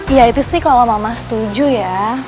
ya itu sih kalau mama setuju ya